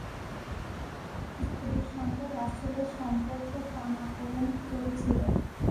স্ত্রীর সঙ্গে রাসেলের সম্পর্কের টানাপোড়েন চলছিল।